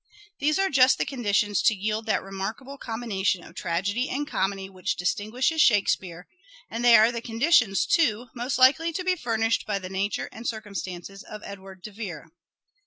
These are just the conditions to yield that remarkable combination of tragedy and comedy which distin guishes Shakespeare, and they are the conditions, too, most likely to be furnished by the nature and cir cumstances of Edward de Vere.